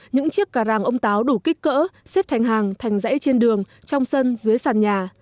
những chiếc gà ràng ông táo đủ kích cỡ xếp thành hàng thành dãy trên đường trong sân dưới sàn nhà